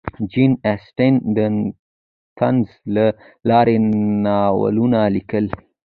جین اسټن د طنز له لارې ناولونه لیکل.